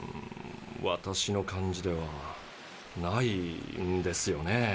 私の感じではないんですよね